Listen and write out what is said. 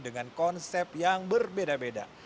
dengan konsep yang berbeda beda